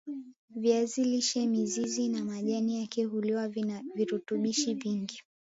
viazi lishe mizizi na majani yake huliwa vina virutubishi vingi